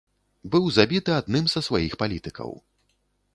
Быў забіты адным са сваіх палітыкаў.